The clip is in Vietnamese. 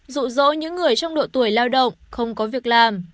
dụ dỗ những người trong độ tuổi lao động không có việc làm